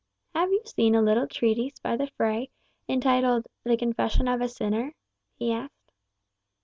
"Have you seen a little treatise by the Fray, entitled 'The Confession of a Sinner'?" he asked.